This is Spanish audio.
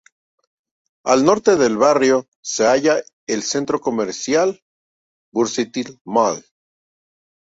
Al norte del barrio se halla el centro comercial Bucureşti Mall.